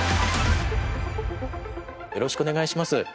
よろしくお願いします。